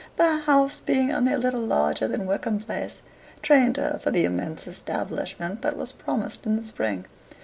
The house, being only a little larger than Wickham Place, trained her for the immense establishment that was promised in the spring.